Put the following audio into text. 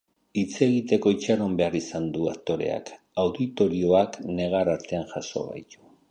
Hitz egiteko itxaron behar izan du aktoreak, auditorioak negar artean jaso baitu.